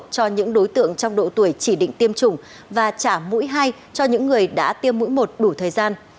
cho những đối tượng trong độ tuổi chỉ định tiêm chủng và trả mũi hay cho những người đã tiêm mũi một đủ thời gian